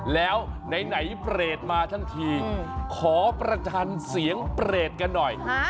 แล้วไหนเปรตมาทั้งทีขอประชันเสียงเปรตกันหน่อย